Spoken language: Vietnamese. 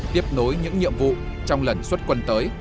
tiếp nối những nhiệm vụ trong lần xuất quân tới